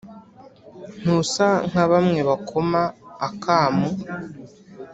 Ntusa nka bamwe bakoma akamu